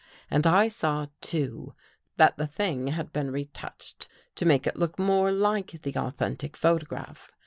And I saw, too, that the thing had been retouched to make it look more like the authentic photograph.